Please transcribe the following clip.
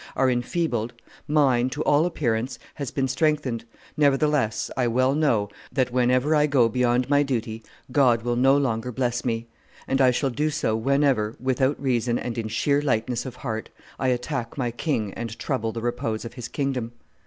are enfeebled, mine, to all appearance, has been strengthened, nevertheless I well know that, whenever I go beyond my duty, God will no longer bless me; and I shall do so whenever, without reason and in sheer lightness of heart, I attack my king and trouble the repose of his kingdom.